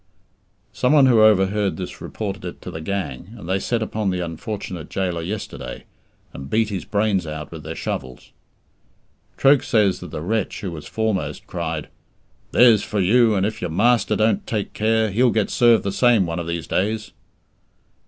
Someone who overheard this reported it to the gang, and they set upon the unfortunate gaoler yesterday, and beat his brains out with their shovels. Troke says that the wretch who was foremost cried, "There's for you; and if your master don't take care, he'll get served the same one of these days!"